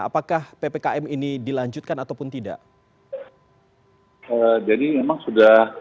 apakah ini adalah jangka waktu yang ideal untuk memutuskan arah kebijakannya selanjutnya